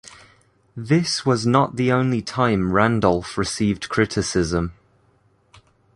This was not the only time Randolph received criticism.